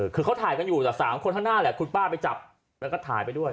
คือเขาถ่ายกันอยู่แต่๓คนข้างหน้าแหละคุณป้าไปจับแล้วก็ถ่ายไปด้วย